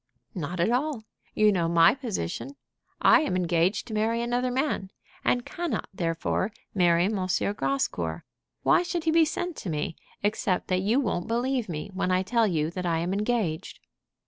"Not at all. You know my position. I am engaged to marry another man, and cannot therefore marry M. Grascour. Why should he be sent to me, except that you won't believe me when I tell you that I am engaged?"